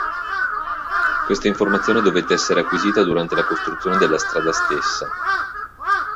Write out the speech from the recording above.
Questa informazione dovette essere acquisita durante la costruzione della strada stessa.